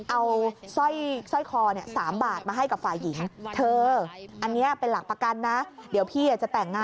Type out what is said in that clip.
เอาสร้อยคอ๓บาทมาให้กับฝ่ายหญิง